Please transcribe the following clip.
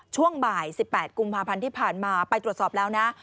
ช่วงบ่าย๑๘กุมภาพันธ์ที่ผ่านมาไปตรวจสอบแล้วนะ